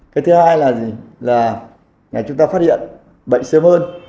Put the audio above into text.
cái thứ hai là gì là ngày chúng ta phát hiện bệnh sớm hơn